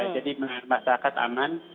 jadi masyarakat aman